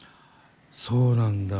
そうなんだ。